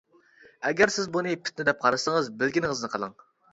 ئەگەر سىز بۇنى پىتنە دەپ قارىسىڭىز بىلگىنىڭىزنى قىلىڭ!